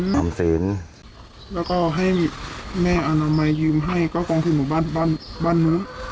แล้วก็ให้แม่อนามัยยืมให้ก็กองทึกบ้านนู้น